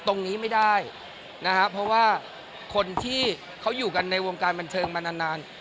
ตรงนี้ไม่ได้นะฮะเพราะว่าคนที่เขาอยู่กันในวงการบันเทิงมานานนาน